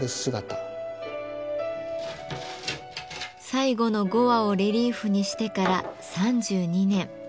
最後の５羽をレリーフにしてから３２年。